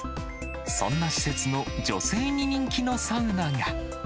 そんな施設の女性に人気のサウナが。